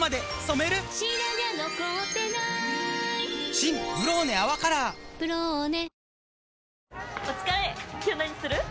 新「ブローネ泡カラー」「ブローネ」